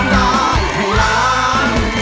ร้องได้ให้ร้าง